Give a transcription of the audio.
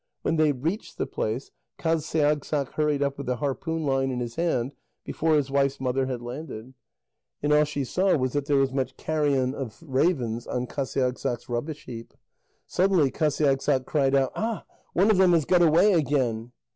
When they reached the place, Qasiagssaq hurried up with the harpoon line in his hand, before his wife's mother had landed. And all she saw was that there was much carrion of ravens on Qasiagssaq's rubbish heap. Suddenly Qasiagssaq cried out: "Ah! One of them has got away again!"